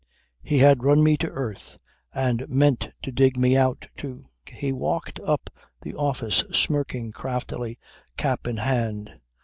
He had run me to earth and meant to dig me out too. He walked up the office smirking craftily, cap in hand.